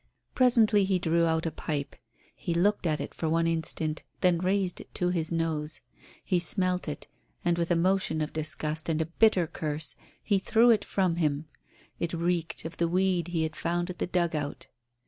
Presently he drew out a pipe. He looked at it for one instant, then raised it to his nose. He smelt it, and, with a motion of disgust and a bitter curse, he threw it from him. It reeked of the weed he had found at the dugout.